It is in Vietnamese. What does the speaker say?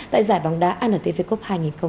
tại giải bóng đá antv cup hai nghìn một mươi tám